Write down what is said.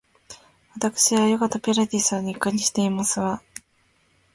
わたくしはヨガとピラティスを日課にしていますわ